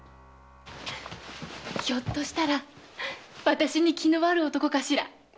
ひょっとしたら私に気のある男かしら。